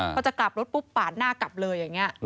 พอจะกลับรถปุ๊บปาดหน้ากลับเลยอย่างนี้